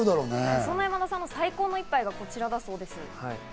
そんな山田さんの最高の一杯がこちらだそうです。